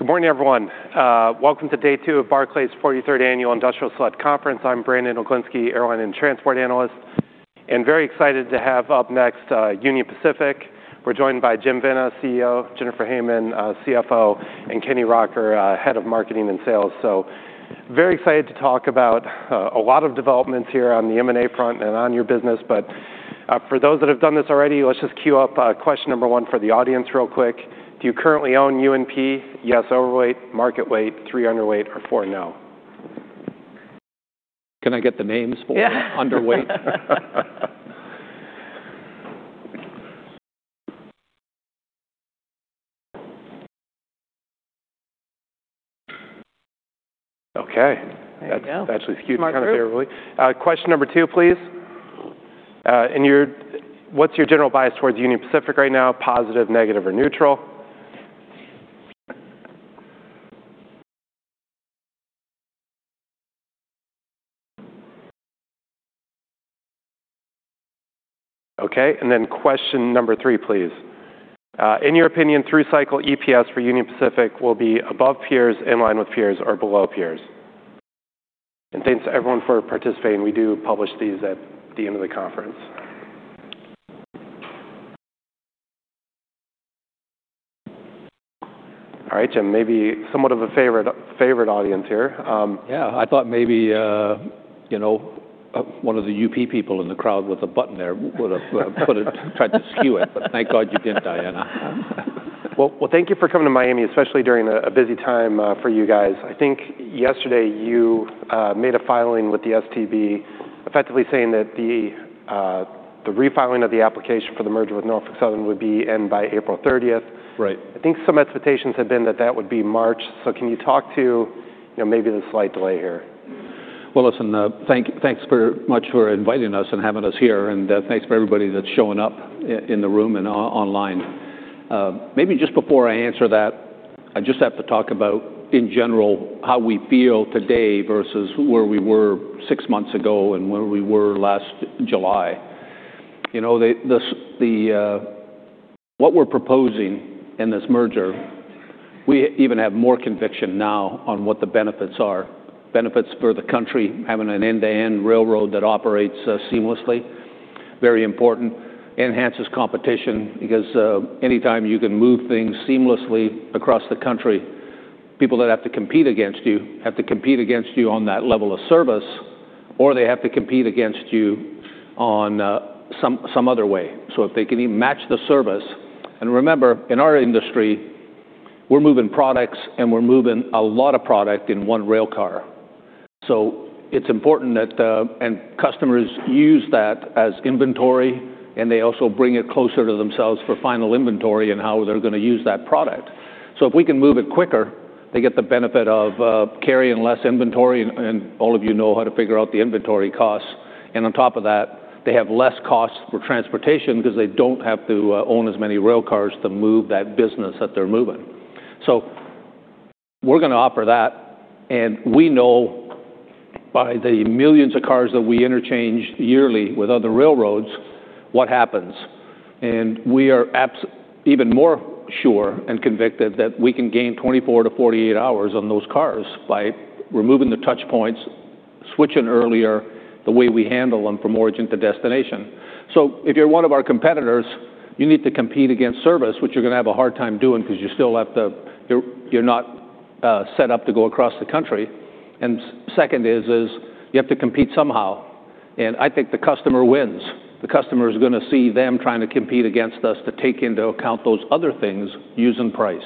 Good morning, everyone. Welcome to day two of Barclays 43rd Annual Industrial Select Conference. I'm Brandon Oglenski, Airline and Transport Analyst, and very excited to have up next, Union Pacific. We're joined by Jim Vena, CEO, Jennifer Hamann, CFO, and Kenny Rocker, Head of Marketing and Sales. Very excited to talk about a lot of developments here on the M&A front and on your business. For those that have done this already, let's just queue up question number 1 for the audience real quick. Do you currently own UNP? Yes, overweight, market weight, 3, underweight, or 4, no. Can I get the names for- Yeah underweight? Okay. There you go. That's actually skewed kind of favorably. Smart group. Question 2, please. In your—what's your general bias towards Union Pacific right now? Positive, negative, or neutral? Okay, and then question 3, please. In your opinion, through cycle, EPS for Union Pacific will be above peers, in line with peers, or below peers? Thanks to everyone for participating. We do publish these at the end of the conference. All right, Jim, maybe somewhat of a favorite, favorite audience here. Yeah, I thought maybe, you know, one of the UP people in the crowd with a button there would have tried to skew it, but thank God you didn't, Diana. Well, thank you for coming to Miami, especially during a busy time for you guys. I think yesterday you made a filing with the STB, effectively saying that the refiling of the application for the merger with Norfolk Southern would be in by April thirtieth. Right. I think some expectations had been that that would be March. Can you talk to, you know, maybe the slight delay here? Well, listen, thanks very much for inviting us and having us here, and thanks for everybody that's showing up in the room and online. Maybe just before I answer that, I just have to talk about, in general, how we feel today versus where we were six months ago and where we were last July. You know, what we're proposing in this merger, we even have more conviction now on what the benefits are. Benefits for the country, having an end-to-end railroad that operates seamlessly, very important. Enhances competition, because anytime you can move things seamlessly across the country, people that have to compete against you have to compete against you on that level of service, or they have to compete against you on some other way. If they can even match the service. And remember, in our industry, we're moving products, and we're moving a lot of product in one rail car. It's important that, and customers use that as inventory, and they also bring it closer to themselves for final inventory and how they're going to use that product. If we can move it quicker, they get the benefit of carrying less inventory, and all of you know how to figure out the inventory costs. On top of that, they have less costs for transportation because they don't have to own as many rail cars to move that business that they're moving. We're going to offer that, and we know by the millions of cars that we interchange yearly with other railroads, what happens. We are even more sure and convicted that we can gain 24-48 hours on those cars by removing the touch points, switching earlier, the way we handle them from origin to destination. If you're one of our competitors, you need to compete against service, which you're going to have a hard time doing because you still have to—you're not set up to go across the country. Second is you have to compete somehow, and I think the customer wins. The customer is going to see them trying to compete against us to take into account those other things using price.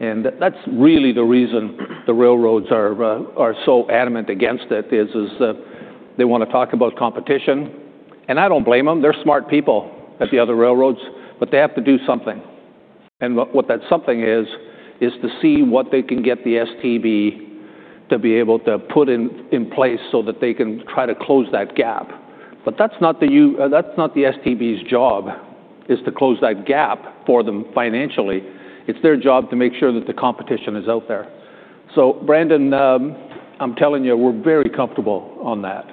And that's really the reason the railroads are so adamant against it, is that they want to talk about competition. I don't blame them. They're smart people at the other railroads, but they have to do something. What that something is, is to see what they can get the STB to be able to put in place so that they can try to close that gap. But that's not the STB's job, is to close that gap for them financially. It's their job to make sure that the competition is out there. Brandon, I'm telling you, we're very comfortable on that.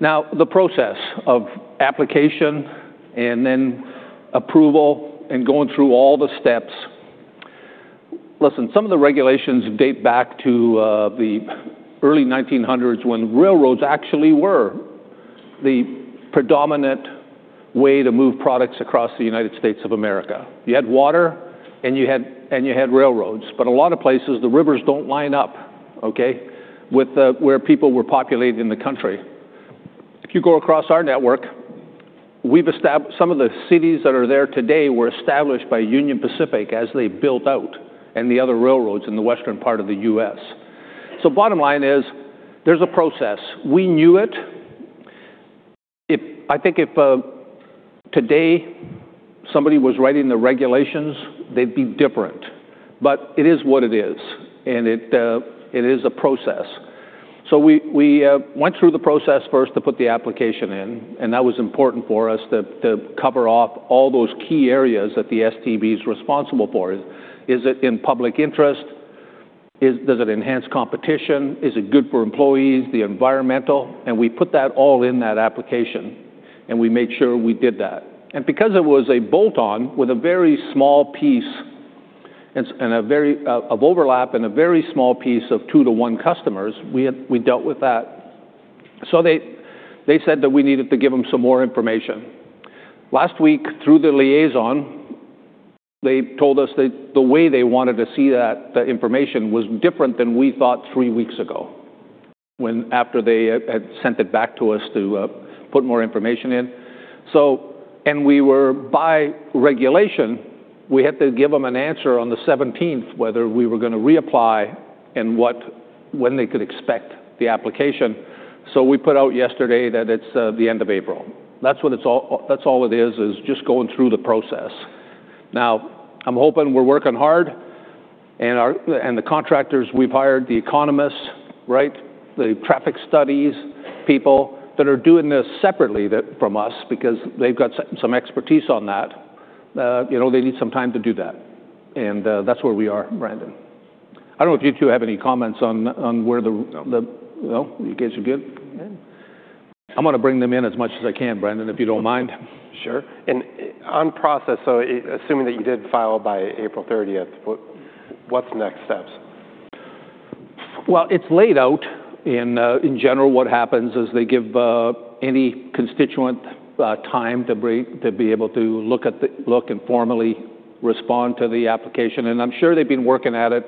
Now, the process of application and then approval and going through all the steps, listen, some of the regulations date back to the early 1900s, when railroads actually were the predominant way to move products across the United States of America. You had water, and you had railroads, but a lot of places, the rivers don't line up, okay, with where people were populated in the country. If you go across our network, we've established some of the cities that are there today were established by Union Pacific as they built out, and the other railroads in the western part of the U.S. So bottom line is, there's a process. We knew it. I think if today somebody was writing the regulations, they'd be different, but it is what it is, and it is a process. So we went through the process first to put the application in, and that was important for us to cover off all those key areas that the STB is responsible for. Is it in public interest? Does it enhance competition? Is it good for employees, the environmental? We put that all in that application, and we made sure we did that. Because it was a bolt-on with a very small piece and a very, very small piece of two to one customers, we had-- we dealt with that. They said that we needed to give them some more information. Last week, through the liaison, they told us that the way they wanted to see that, the information was different than we thought three weeks ago, when after they had sent it back to us to put more information in. We were, by regulation, we had to give them an answer on the 17th whether we were going to reapply and when they could expect the application. We put out yesterday that it's the end of April. That's all it is, is just going through the process. Now, I'm hoping we're working hard, and the contractors we've hired, the economists, right, the traffic studies people that are doing this separately from us because they've got some expertise on that, you know, they need some time to do that. And that's where we are, Brandon. I don't know if you two have any comments on where the... No? You guys are good? I'm going to bring them in as much as I can, Brandon, if you don't mind. Sure. And on process, so assuming that you did file by April thirtieth, what, what's the next steps? Well, it's laid out. In general, what happens is they give any constituent time to be able to look at the application and formally respond to the application. I'm sure they've been working at it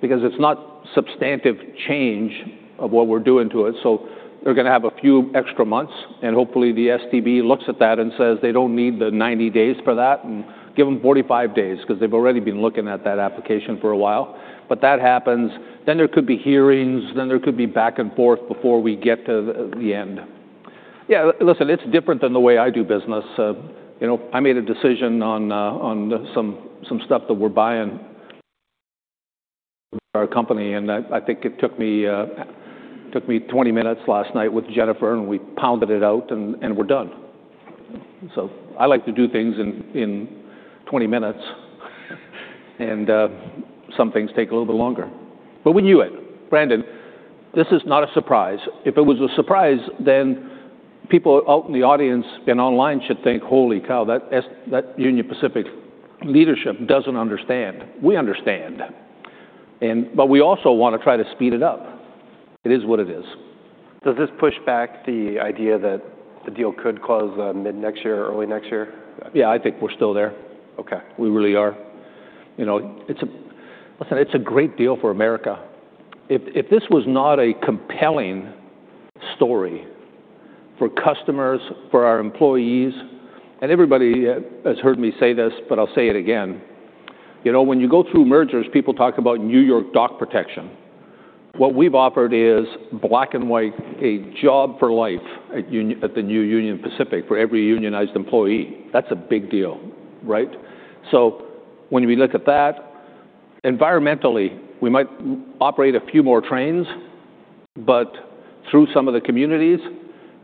because it's not substantive change of what we're doing to it, so they're going to have a few extra months, and hopefully, the STB looks at that and says they don't need the 90 days for that and give them 45 days because they've already been looking at that application for a while. But that happens. Then there could be hearings, then there could be back and forth before we get to the end. Yeah, listen, it's different than the way I do business. You know, I made a decision on some stuff that we're buying for our company, and I think it took me 20 minutes last night with Jennifer, and we pounded it out, and we're done. I like to do things in 20 minutes, and some things take a little bit longer. But we knew it. Brandon, this is not a surprise. If it was a surprise, then people out in the audience and online should think, "Holy cow, that Union Pacific leadership doesn't understand." We understand, and but we also want to try to speed it up. It is what it is. Does this push back the idea that the deal could close, mid-next year or early next year? Yeah, I think we're still there. Okay. We really are. You know, it's a, listen, it's a great deal for America. If, if this was not a compelling story for customers, for our employees, and everybody has heard me say this, but I'll say it again: You know, when you go through mergers, people talk about New York Dock protection. What we've offered is black and white, a job for life at Union, at the new Union Pacific for every unionized employee. That's a big deal, right? When we look at that, environmentally, we might operate a few more trains, but through some of the communities,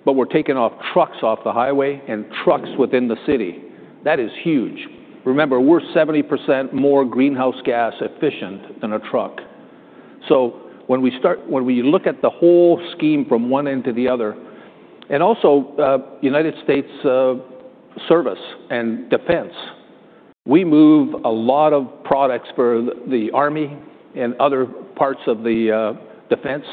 but we're taking off trucks off the highway and trucks within the city. That is huge. Remember, we're 70% more greenhouse gas efficient than a truck. When we start, when we look at the whole scheme from one end to the other... Also, United States Service and Defense, we move a lot of products for the, the army and other parts of the defense.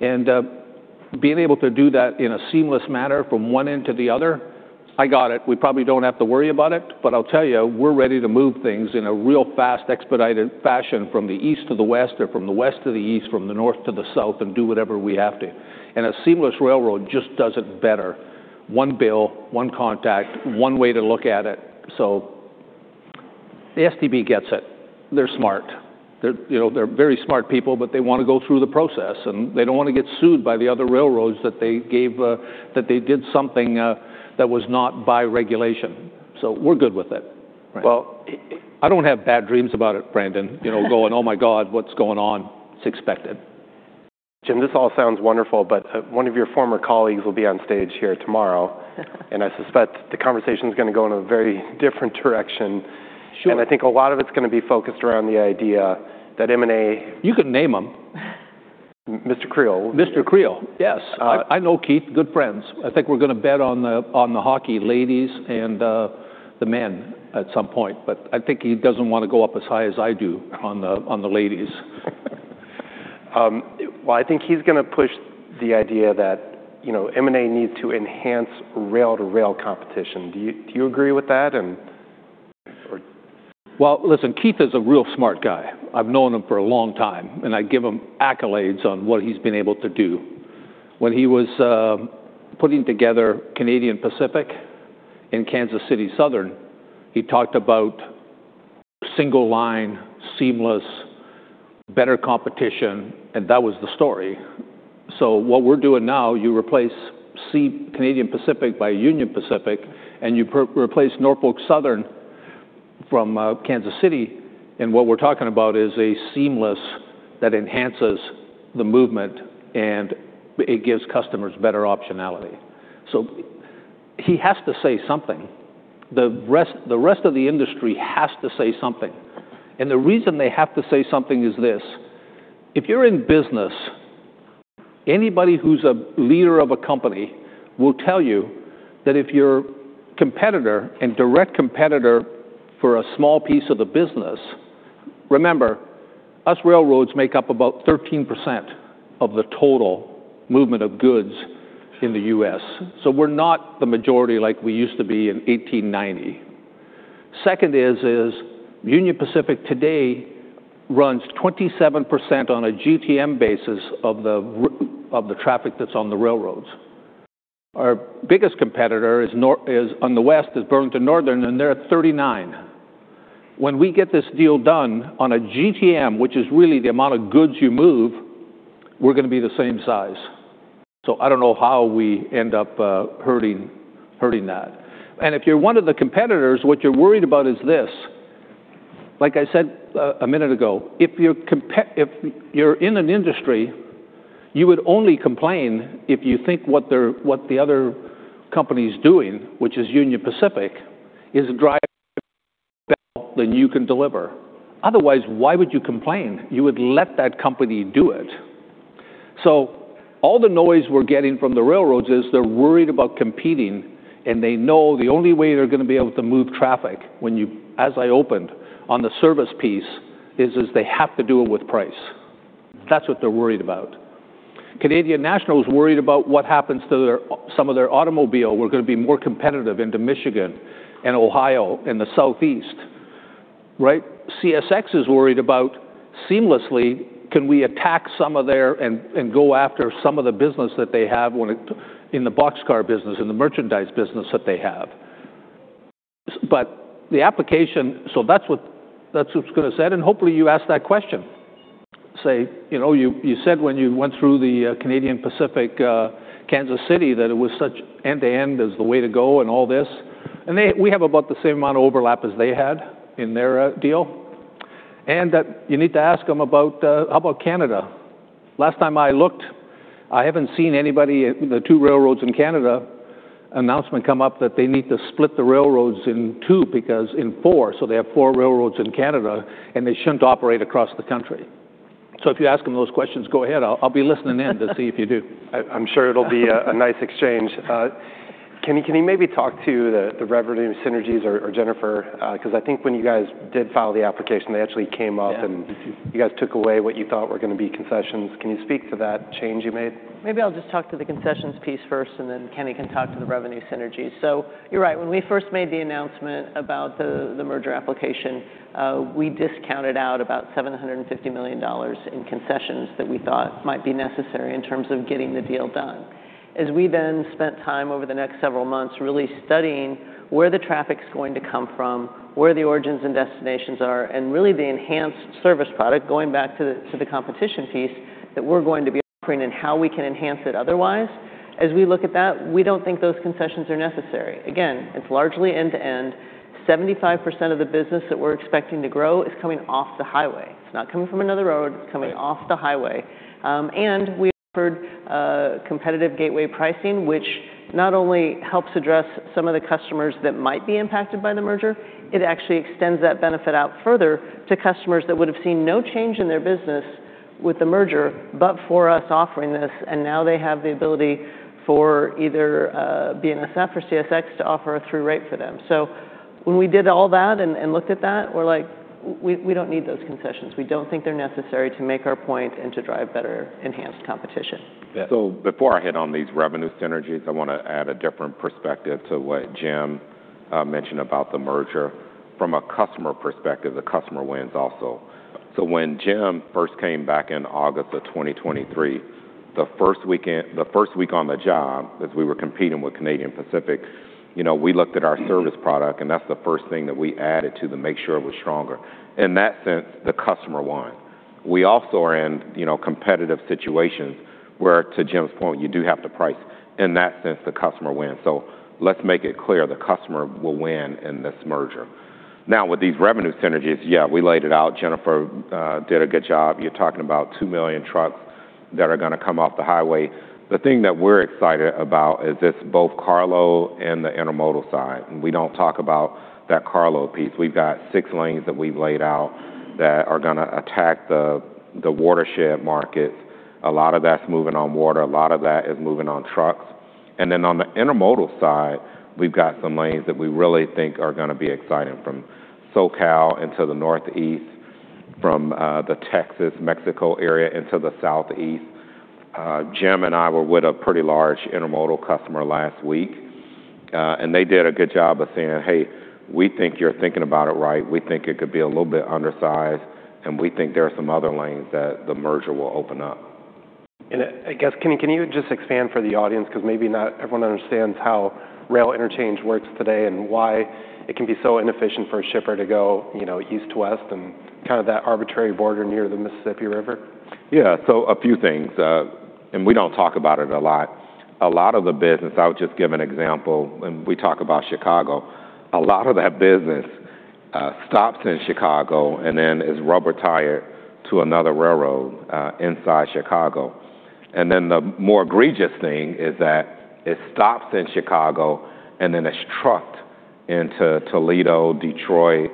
Being able to do that in a seamless manner from one end to the other, I got it. We probably don't have to worry about it, but I'll tell you, we're ready to move things in a real fast, expedited fashion from the east to the west or from the west to the east, from the north to the south, and do whatever we have to, and a seamless railroad just does it better. One bill, one contact, one way to look at it. The STB gets it. They're smart. They're, you know, they're very smart people, but they want to go through the process, and they don't want to get sued by the other railroads that they gave, that they did something, that was not by regulation. We're good with it. Right. Well, I don't have bad dreams about it, Brandon. You know, going, "Oh, my God, what's going on?" It's expected. Jim, this all sounds wonderful, but one of your former colleagues will be on stage here tomorrow. I suspect the conversation is going to go in a very different direction. Sure. I think a lot of it's going to be focused around the idea that M&A- You can name him. Mr. Creel. Mr. Creel, yes. Uh- I know Keith, good friends. I think we're going to bet on the hockey ladies and the men at some point, but I think he doesn't want to go up as high as I do on the ladies. Well, I think he's going to push the idea that, you know, M&A needs to enhance rail-to-rail competition. Do you, do you agree with that and or- Well, listen, Keith is a real smart guy. I've known him for a long time, and I give him accolades on what he's been able to do. When he was putting together Canadian Pacific and Kansas City Southern, he talked about single line, seamless, better competition, and that was the story. What we're doing now, you replace Canadian Pacific by Union Pacific, and you replace Norfolk Southern from Kansas City, and what we're talking about is a seamless that enhances the movement, and it gives customers better optionality. He has to say something. The rest of the industry has to say something, and the reason they have to say something is this: if you're in business, anybody who's a leader of a company will tell you that if your competitor and direct competitor for a small piece of the business... Remember, U.S. railroads make up about 13% of the total movement of goods in the U.S., so we're not the majority like we used to be in 1890. Second is Union Pacific today runs 27% on a GTM basis of the traffic that's on the railroads. Our biggest competitor on the West is Burlington Northern, and they're at 39. When we get this deal done on a GTM, which is really the amount of goods you move, we're going to be the same size. I don't know how we end up hurting that. If you're one of the competitors, what you're worried about is this. Like I said a minute ago, if you're in an industry, you would only complain if you think what the other company is doing, which is Union Pacific, is driving better than you can deliver. Otherwise, why would you complain? You would let that company do it. All the noise we're getting from the railroads is they're worried about competing, and they know the only way they're going to be able to move traffic when you, as I opened on the service piece, is they have to do it with price. That's what they're worried about. Canadian National is worried about what happens to their some of their automobile. We're going to be more competitive into Michigan and Ohio and the Southeast. Right? CSX is worried about seamlessly, can we attack some of their and go after some of the business that they have when it in the boxcar business, in the merchandise business that they have. But the application. So that's what, that's what's going to be said, and hopefully, you ask that question. Say, "You know, you said when you went through the Canadian Pacific Kansas City, that it was such end-to-end is the way to go and all this." And they, we have about the same amount of overlap as they had in their deal. And that you need to ask them about, how about Canada? Last time I looked, I haven't seen anybody in the two railroads in Canada announcement come up that they need to split the railroads in two, because in four, so they have four railroads in Canada, and they shouldn't operate across the country. If you ask them those questions, go ahead. I'll, I'll be listening in to see if you do. I'm sure it'll be a nice exchange. Kenny, can you maybe talk to the revenue synergies or Jennifer? Because I think when you guys did file the application, they actually came up- Yeah -and you guys took away what you thought were going to be concessions. Can you speak to that change you made? Maybe I'll just talk to the concessions piece first, and then Kenny can talk to the revenue synergies. You're right. When we first made the announcement about the merger application, we discounted out about $750 million in concessions that we thought might be necessary in terms of getting the deal done. As we then spent time over the next several months really studying where the traffic's going to come from, where the origins and destinations are, and really the enhanced service product, going back to the competition piece, that we're going to be offering and how we can enhance it otherwise. As we look at that, we don't think those concessions are necessary. Again, it's largely end-to-end. 75% of the business that we're expecting to grow is coming off the highway. It's not coming from another road. It's coming off the highway. Right. We offered competitive gateway pricing, which not only helps address some of the customers that might be impacted by the merger, it actually extends that benefit out further to customers that would have seen no change in their business with the merger, but for us offering this, and now they have the ability for either BNSF or CSX to offer a through rate for them. When we did all that and looked at that, we're like, "We don't need those concessions. We don't think they're necessary to make our point and to drive better enhanced competition. Yeah. Before I hit on these revenue synergies, I want to add a different perspective to what Jim mentioned about the merger. From a customer perspective, the customer wins also. When Jim first came back in August of 2023, the first weekend—the first week on the job, as we were competing with Canadian Pacific, you know, we looked at our service product, and that's the first thing that we added to make sure it was stronger. In that sense, the customer won. We also are in, you know, competitive situations where, to Jim's point, you do have to price. In that sense, the customer wins. Let's make it clear, the customer will win in this merger. Now, with these revenue synergies, yeah, we laid it out. Jennifer did a good job. You're talking about 2 million trucks that are going to come off the highway. The thing that we're excited about is this, both carload and the intermodal side, and we don't talk about that carload piece. We've got 6 lanes that we've laid out that are going to attack the watershed markets. A lot of that's moving on water. A lot of that is moving on trucks. And then on the intermodal side, we've got some lanes that we really think are going to be exciting, from SoCal into the Northeast, from the Texas-Mexico area into the Southeast. Jim and I were with a pretty large intermodal customer last week, and they did a good job of saying, "Hey, we think you're thinking about it right. We think it could be a little bit undersized, and we think there are some other lanes that the merger will open up. I guess, can you, can you just expand for the audience, because maybe not everyone understands how rail interchange works today and why it can be so inefficient for a shipper to go, you know, east to west and kind of that arbitrary border near the Mississippi River? Yeah. Afew things, and we don't talk about it a lot. A lot of the business, I would just give an example, and we talk about Chicago. A lot of that business-... stops in Chicago and then is rubber-tired to another railroad inside Chicago. And then the more egregious thing is that it stops in Chicago, and then it's trucked into Toledo, Detroit,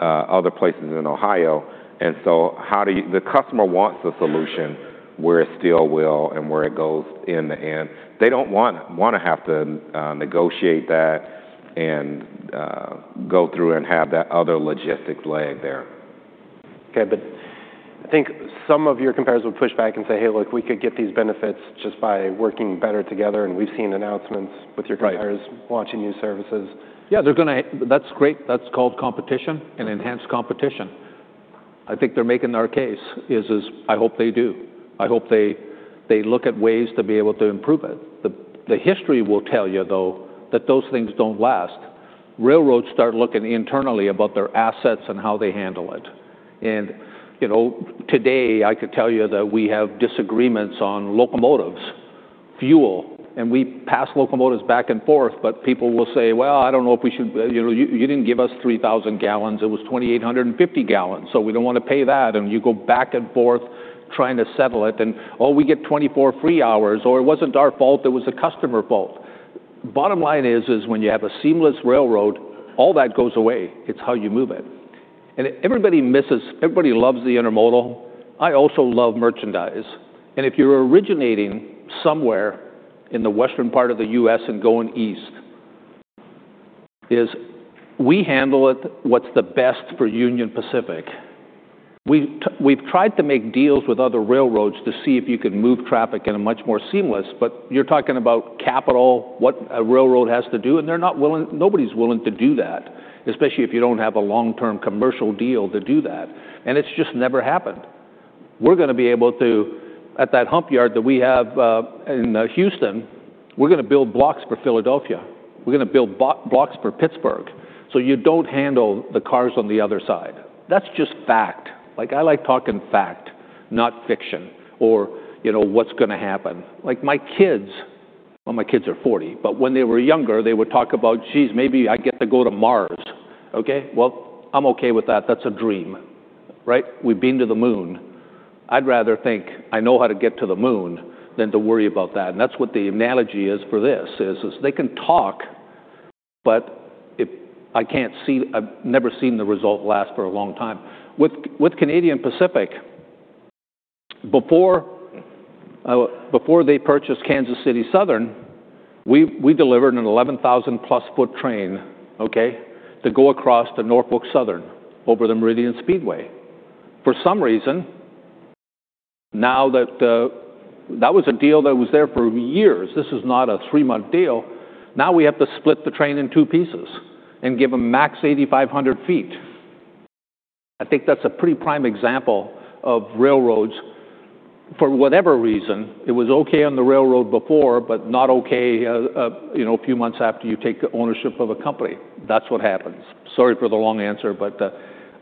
other places in Ohio. How do you- the customer wants a solution where it still will and where it goes in the end. They don't want to have to negotiate that and go through and have that other logistics leg there. Okay, but I think some of your competitors would push back and say, "Hey, look, we could get these benefits just by working better together," and we've seen announcements with your- Right Competitors launching new services. Yeah, they're gonna. That's great. That's called competition and enhanced competition. I think they're making their case is I hope they do. I hope they look at ways to be able to improve it. The history will tell you, though, that those things don't last. Railroads start looking internally about their assets and how they handle it. And, you know, today, I could tell you that we have disagreements on locomotives, fuel, and we pass locomotives back and forth, but people will say, "Well, I don't know if we should. You know, you didn't give us 3,000 gallons. It was 2,850 gallons, so we don't want to pay that." And you go back and forth trying to settle it, and, "Oh, we get 24 free hours," or, "It wasn't our fault. It was the customer fault." Bottom line is, when you have a seamless railroad, all that goes away. It's how you move it, and everybody misses—Everybody loves the intermodal. I also love merchandise, and if you're originating somewhere in the western part of the U.S. and going east, is we handle it what's the best for Union Pacific. We've tried to make deals with other railroads to see if you could move traffic in a much more seamless, but you're talking about capital, what a railroad has to do, and they're not willing—nobody's willing to do that, especially if you don't have a long-term commercial deal to do that, and it's just never happened. We're gonna be able to, at that hump yard that we have in Houston, we're gonna build blocks for Philadelphia. We're gonna build blocks for Pittsburgh, so you don't handle the cars on the other side. That's just fact. Like, I like talking fact, not fiction, or, you know, what's gonna happen. Like, my kids, well, my kids are 40, but when they were younger, they would talk about, "Geez, maybe I get to go to Mars." Okay, well, I'm okay with that. That's a dream, right? We've been to the moon. I'd rather think I know how to get to the moon than to worry about that, and that's what the analogy is for this, is they can talk, but if I can't see, I've never seen the result last for a long time. With Canadian Pacific, before they purchased Kansas City Southern, we delivered an 11,000-plus foot train, okay? To go across the Norfolk Southern over the Meridian Speedway. For some reason, now that the... That was a deal that was there for years. This is not a three-month deal. Now we have to split the train in two pieces and give them max 8,500 feet. I think that's a pretty prime example of railroads. For whatever reason, it was okay on the railroad before, but not okay, you know, a few months after you take the ownership of a company. That's what happens. Sorry for the long answer, but,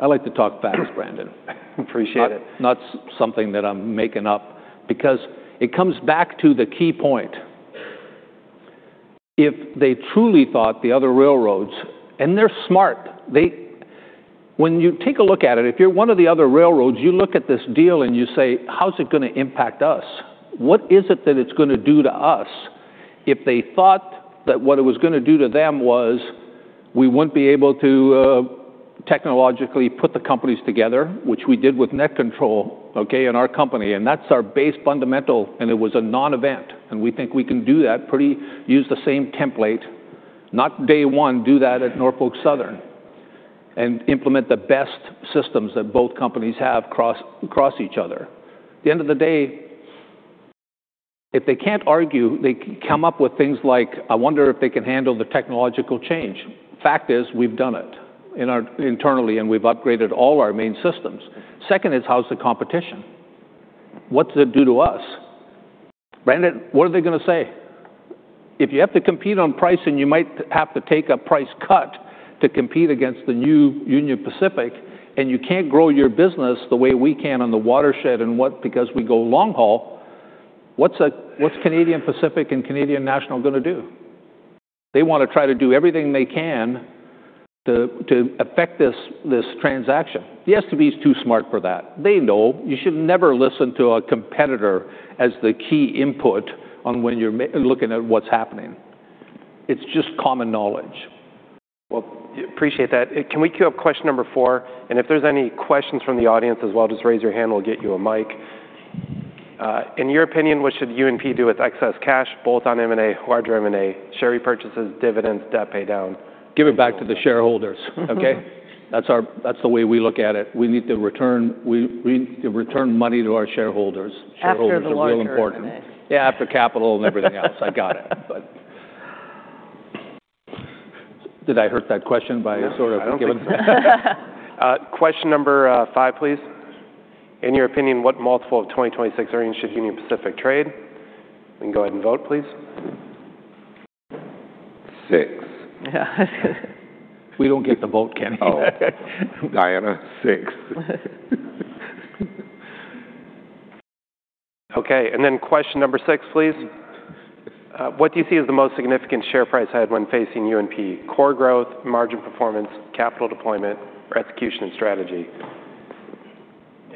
I like to talk facts, Brandon. Appreciate it. Not, not something that I'm making up because it comes back to the key point. If they truly thought the other railroads, and they're smart, they, when you take a look at it, if you're one of the other railroads, you look at this deal, and you say: How's it gonna impact us? What is it that it's gonna do to us? If they thought that what it was gonna do to them was we wouldn't be able to technologically put the companies together, which we did with NetControl, okay, in our company, and that's our base fundamental, and it was a non-event, and we think we can do that pretty, use the same template, not day one, do that at Norfolk Southern and implement the best systems that both companies have cross, cross each other. At the end of the day, if they can't argue, they come up with things like, "I wonder if they can handle the technological change." Fact is, we've done it internally, and we've upgraded all our main systems. Second is, how's the competition? What does it do to us? Brandon, what are they gonna say? If you have to compete on pricing, you might have to take a price cut to compete against the new Union Pacific, and you can't grow your business the way we can on the watershed and what because we go long haul. What's Canadian Pacific and Canadian National gonna do? They want to try to do everything they can to affect this transaction. The STB is too smart for that. They know. You should never listen to a competitor as the key input on when you're looking at what's happening. It's just common knowledge. Well, appreciate that. Can we queue up question number four? And if there's any questions from the audience as well, just raise your hand, we'll get you a mic. In your opinion, what should UNP do with excess cash, both on M&A, larger M&A, share repurchases, dividends, debt paydown? Give it back to the shareholders. Okay? That's our. That's the way we look at it. We need to return, we return money to our shareholders. After the larger M&A. Shareholders are real important. Yeah, after capital and everything else. I got it, but... Did I hurt that question by sort of giving- Question number five, please. In your opinion, what multiple of 2026 earnings should Union Pacific trade? You can go ahead and vote, please. Six. We don't get to vote, Kenny. Oh, Diana, 6. Okay, and then question number six, please. What do you see as the most significant share price side when facing UNP? Core growth, margin performance, capital deployment, or execution and strategy?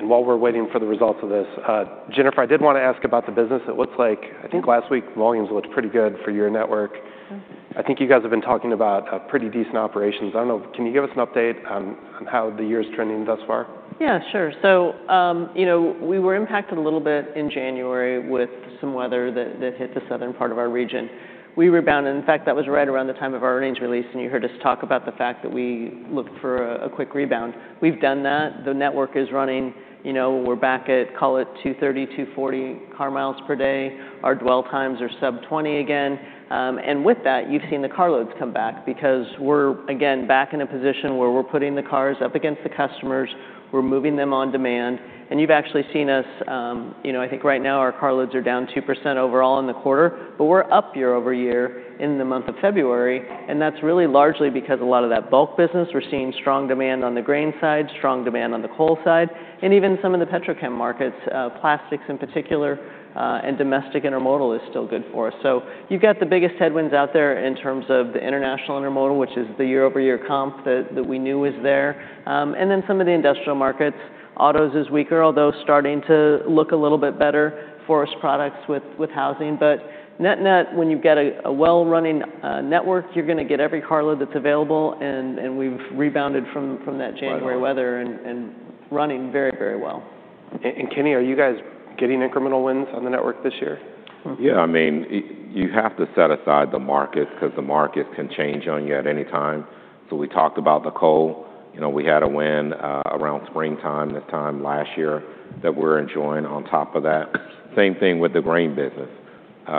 While we're waiting for the results of this, Jennifer, I did want to ask about the business. It looks like, I think last week, volumes looked pretty good for your network. Yeah. I think you guys have been talking about pretty decent operations. I don't know, can you give us an update on how the year's trending thus far? Yeah, sure. We were impacted a little bit in January with some weather that hit the southern part of our region. We rebounded, in fact, that was right around the time of our earnings release, and you heard us talk about the fact that we looked for a quick rebound. We've done that. The network is running, you know, we're back at, call it 230-240 car miles per day. Our dwell times are sub-20 again, and with that, you've seen the carloads come back because we're, again, back in a position where we're putting the cars up against the customers, we're moving them on demand, and you've actually seen us... You know, I think right now our carloads are down 2% overall in the quarter, but we're up year-over-year in the month of February, and that's really largely because a lot of that bulk business, we're seeing strong demand on the grain side, strong demand on the coal side, and even some of the petrochem markets, plastics in particular, and domestic intermodal is still good for us. So you've got the biggest headwinds out there in terms of the international intermodal, which is the year-over-year comp that we knew was there, and then some of the industrial markets. Autos is weaker, although starting to look a little bit better, forest products with housing. But net-net, when you've got a well-running network, you're gonna get every carload that's available, and we've rebounded from that January- Right... weather and running very, very well. Kenny, are you guys getting incremental wins on the network this year? Yeah, I mean, you have to set aside the market, 'cause the market can change on you at any time. We talked about the coal. You know, we had a win, around springtime, this time last year, that we're enjoying on top of that. Same thing with the grain business.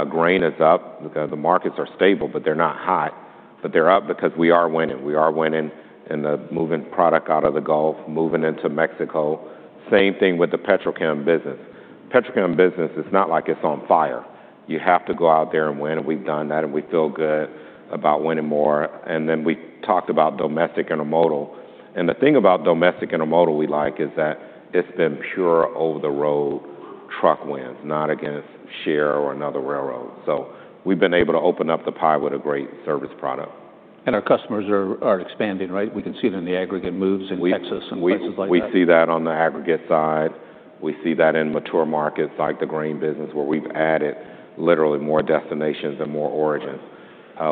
Grain is up. The markets are stable, but they're not hot, but they're up because we are winning. We are winning in the moving product out of the Gulf, moving into Mexico. Same thing with the petrochem business. Petrochem business, it's not like it's on fire. You have to go out there and win, and we've done that, and we feel good about winning more. And then we talked about domestic intermodal, and the thing about domestic intermodal we like is that it's been pure over-the-road truck wins, not against share or another railroad. So we've been able to open up the pie with a great service product. Our customers are expanding, right? We can see it in the aggregate moves in Texas. We- and places like that. We see that on the aggregate side. We see that in mature markets, like the grain business, where we've added literally more destinations and more origins.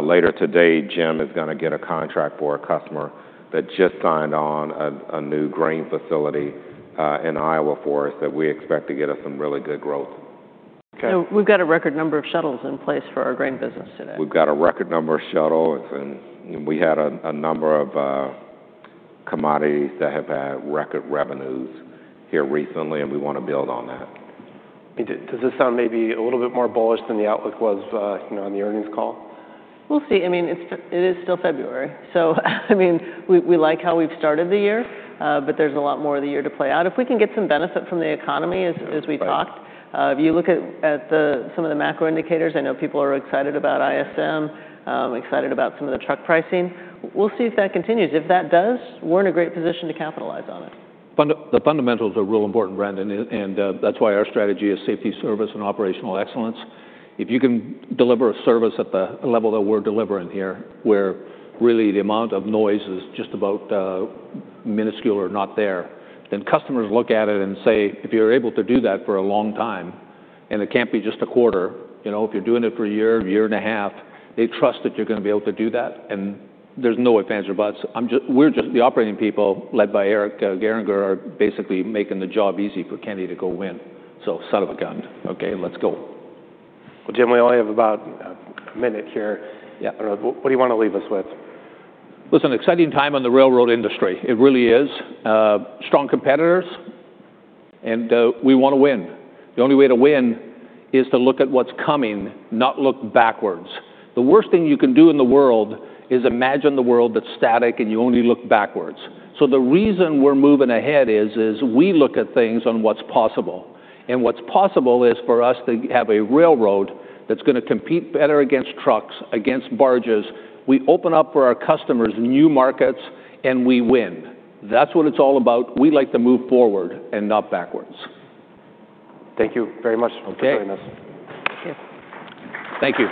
Later today, Jim is gonna get a contract for a customer that just signed on a new grain facility in Iowa for us that we expect to get us some really good growth. Okay. We've got a record number of shuttles in place for our grain business today. We've got a record number of shuttles, and we had a number of commodities that have had record revenues here recently, and we want to build on that. Does this sound maybe a little bit more bullish than the outlook was, you know, on the earnings call? We'll see. I mean, it's, it is still February, so I mean, we, we like how we've started the year, but there's a lot more of the year to play out. If we can get some benefit from the economy, as, as we talked- Right... if you look at some of the macro indicators, I know people are excited about ISM, excited about some of the truck pricing. We'll see if that continues. If that does, we're in a great position to capitalize on it. The fundamentals are real important, Brandon, and that's why our strategy is safety, service, and operational excellence. If you can deliver a service at the level that we're delivering here, where really the amount of noise is just about minuscule or not there, then customers look at it and say, "If you're able to do that for a long time, and it can't be just a quarter, you know, if you're doing it for a year, year and a half," they trust that you're gonna be able to do that, and there's no if, ands, or buts. We're just the operating people, led by Eric Gehringer, are basically making the job easy for Kenny to go win. So son of a gun, okay, let's go. Well, Jim, we only have about a minute here. Yeah. What do you want to leave us with? Listen, exciting time on the railroad industry. It really is. Strong competitors, and we want to win. The only way to win is to look at what's coming, not look backwards. The worst thing you can do in the world is imagine the world that's static and you only look backwards. The reason we're moving ahead is we look at things on what's possible, and what's possible is for us to have a railroad that's gonna compete better against trucks, against barges. We open up for our customers new markets, and we win. That's what it's all about. We like to move forward and not backwards. Thank you very much- Okay -for joining us. Thank you. Thank you.